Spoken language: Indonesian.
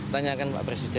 tanyakan pak presiden